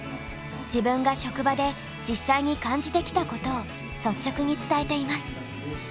自分が職場で実際に感じてきたことを率直に伝えています。